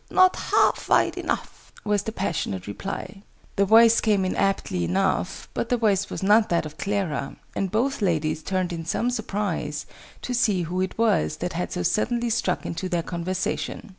Not half wide enough!" was the passionate reply. The words came in aptly enough, but the voice was not that of Clara, and both ladies turned in some surprise to see who it was that had so suddenly struck into their conversation.